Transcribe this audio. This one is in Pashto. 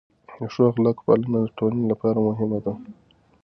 د ښو اخلاقو پالنه د ټولنې لپاره مهمه ده.